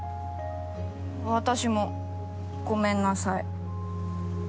私もごめんなさい。